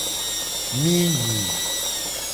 Mi nyi.